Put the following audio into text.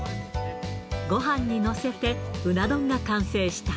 ごはんに載せて、うな丼が完成した。